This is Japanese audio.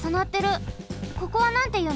ここはなんていうの？